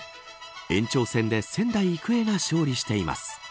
延長戦で仙台育英が勝利しています。